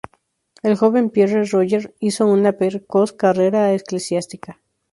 El joven Pierre Roger hizo una precoz carrera eclesiástica.